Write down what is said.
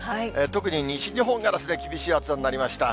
特に西日本がですね、厳しい暑さになりました。